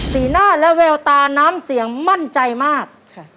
หน้าและแววตาน้ำเสียงมั่นใจมาก